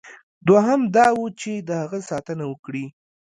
دوهم دا وه چې د هغه ساتنه وکړي.